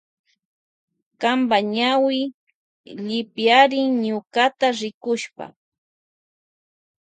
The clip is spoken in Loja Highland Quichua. Kanpa ñawi llipyarin ñukata rikushpa.